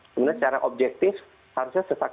sebenarnya secara objektif harusnya sesak